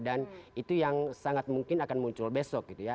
dan itu yang sangat mungkin akan muncul besok gitu ya